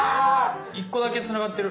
１個だけつながってる。